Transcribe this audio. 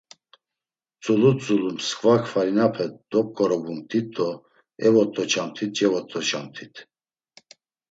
Tzulu tzulu msǩva kvalinape dop̌ǩorobumt̆it do evot̆oçamt̆it cevot̆oçamt̆it.